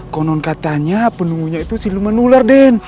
konon katanya penunggunya itu siluman ular den